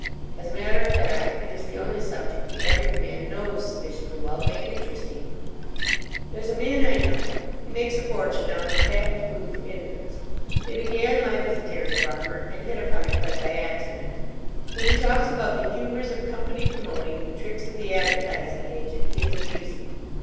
As a matter of fact it is the only subject the average man knows sufficiently well to make interesting. There's a man I know; he makes a fortune out of a patent food for infants. He began life as a dairy farmer, and hit upon it quite by accident. When he talks about the humours of company promoting and the tricks of the advertising agent he is amusing.